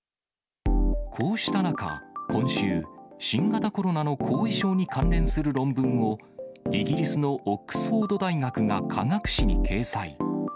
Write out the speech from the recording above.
こうした中、今週、新型コロナの後遺症に関連する論文を、イギリスのオックスフォード大学が科学誌に掲載。